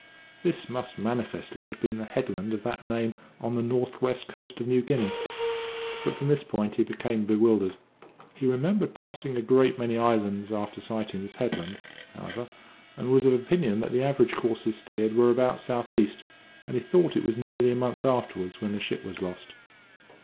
This must manifestly have been the headland of that name on the north west coast of New Guinea; but from this point he became bewildered. He remembered passing a great many islands after sighting this headland, however, and was of opinion that the average courses steered were about south east, and he thought it was nearly a month afterwards when the ship was lost.